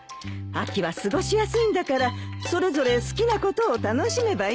秋は過ごしやすいんだからそれぞれ好きなことを楽しめばいいんですよ。